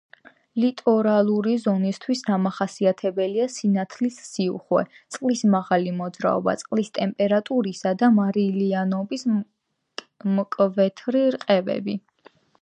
ლიტორალური ზონისთვის დამახასიათებელია სინათლის სიუხვე, წყლის მაღალი მოძრაობა, წყლის ტემპერატურისა და მარილიანობის მკვეთრი რყევები.